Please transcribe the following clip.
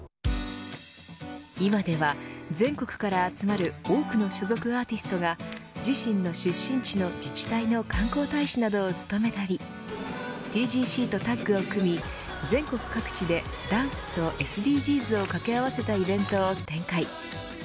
今では全国から集まる多くの所属アーティストが自身の出身地の自治体の観光大使などを務めたりＴＧＣとタッグを組み全国各地でダンスとＳＤＧｓを掛け合わせたイベントを展開。